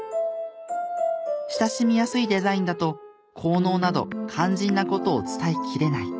親しみやすいデザインだと効能など肝心なことを伝えきれない。